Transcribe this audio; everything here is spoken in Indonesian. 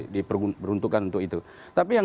diperuntukkan untuk itu tapi yang